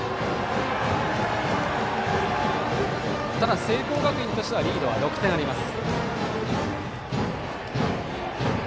ただ、聖光学院としてはリードは６点あります。